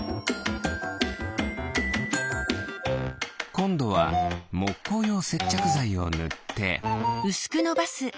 こんどはもっこうようせっちゃくざいをぬって。